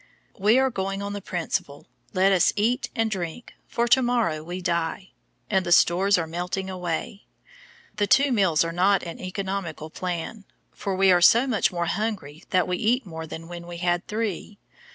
We are going on the principle, "Let us eat and drink, for to morrow we die," and the stores are melting away. The two meals are not an economical plan, for we are so much more hungry that we eat more than when we had three.